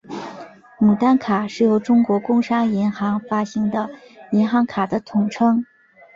牡丹卡是由中国工商银行发行的银行卡的统称。